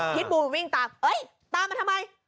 พิษบูวิ่งตามเอ๊ยตามมาทำไม